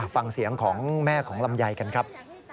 ฟังเสียงของแม่ของลำไยกันครับ